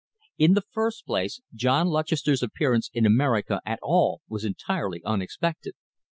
In the first place, John Lutchester's appearance in America at all was entirely unexpected.